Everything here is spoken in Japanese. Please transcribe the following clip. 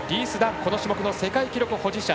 この種目の世界記録保持者。